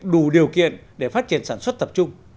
đủ điều kiện để phát triển sản xuất tập trung